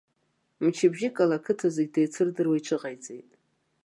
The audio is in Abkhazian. Мчыбжьык ала ақыҭа зегьы деицырдыруа иҽыҟаиҵеит.